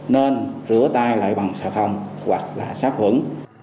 nên rửa tay lại bằng sạc hồng hoặc là sát khuẩn